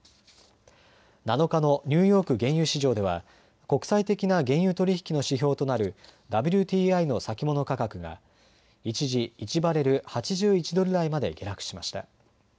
７日のニューヨーク原油市場では国際的な原油取り引きの指標となるＷＴＩの先物価格が一時、１バレル８１ドル台まで下落しました。